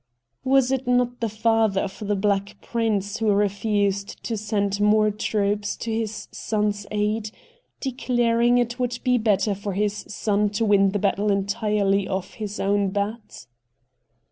Was it not the father of the Black Prince who refused to send more troops to his son's aid, declaring it would be better for his son to win the battle entirely off his own bat